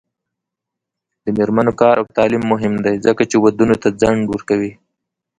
د میرمنو کار او تعلیم مهم دی ځکه چې ودونو ته ځنډ ورکوي.